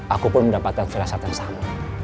aku pun mendapatkan firasat yang sama